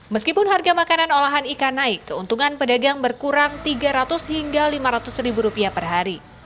meskipun harga makanan olahan ikan naik keuntungan pedagang berkurang tiga ratus hingga lima ratus ribu rupiah per hari